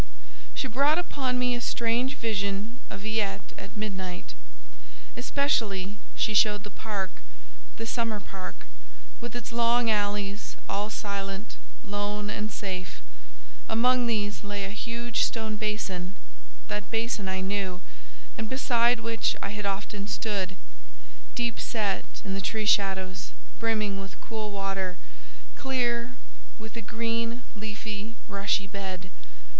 She brought upon me a strange vision of Villette at midnight. Especially she showed the park, the summer park, with its long alleys all silent, lone and safe; among these lay a huge stone basin—that basin I knew, and beside which I had often stood—deep set in the tree shadows, brimming with cool water, clear, with a green, leafy, rushy bed.